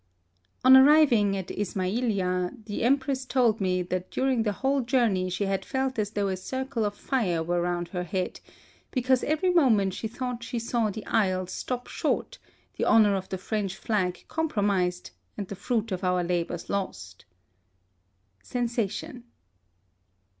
On arriving at Ismaiilia, the THE SUEZ CANAL. 87 Empress told me that during the whole journey she had felt as though a circle of fire were round her head, because every moment she thought she saw the Aigle stop short, the honour of the French flag com promised, and the fruit of our labours lost. (Sensation.)